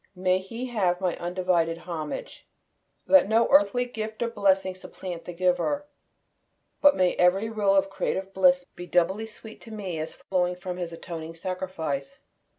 May he have my undivided homage. Let no earthly gift or blessing supplant the Giver, but may every rill of creative bliss be doubly sweet to me as flowing from His atoning sacrifice.